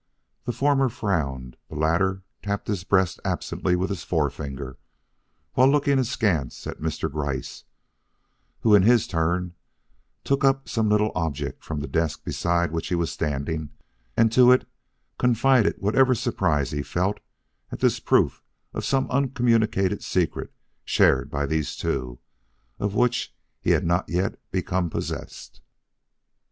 The former frowned, the latter tapped his breast absently with his forefinger while looking askance at Mr. Gryce, who in his turn took up some little object from the desk beside which he was standing and to it confided whatever surprise he felt at this proof of some uncommunicated secret shared by these two, of which he had not yet become possessed.